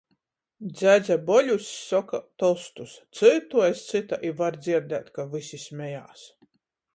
Dzjadze Boļuss soka tostus, cytu aiz cyta, i var dzierdēt, ka vysi smejās.